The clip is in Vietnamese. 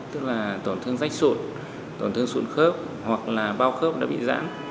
tức là tổn thương rách sụn tổn thương sụn khớp hoặc là bao khớp đã bị giãn